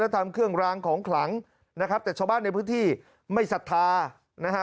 ทำเครื่องรางของขลังนะครับแต่ชาวบ้านในพื้นที่ไม่ศรัทธานะฮะ